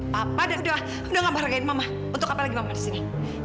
papa udah gak berhargain mama untuk apa lagi mama disini